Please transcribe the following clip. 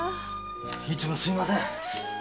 いつもすみません。